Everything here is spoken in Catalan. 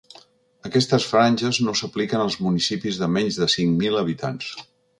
Aquestes franges no s’apliquen als municipis de menys de cinc mil habitants.